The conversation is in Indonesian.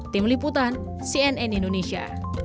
tim liputan cnn indonesia